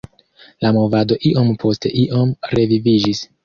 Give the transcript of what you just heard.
La movado iom post iom reviviĝis.